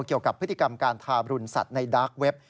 เกี่ยวกับพฤติกรรมการทาบรุณสัตว์ในดาร์กเว็บ